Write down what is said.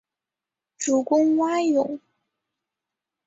主攻蛙泳。